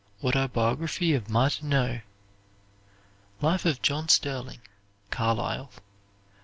Autobiography of Martineau. "Life of John Sterling," Carlyle.